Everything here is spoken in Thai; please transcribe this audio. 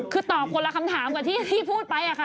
คือตอบคนละคำถามกับที่พูดไปค่ะ